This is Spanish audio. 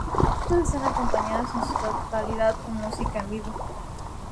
Los actos están acompañados en su totalidad con música en vivo.